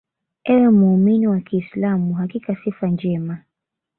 Ewe muumini wa kiislam Hakika sifa njema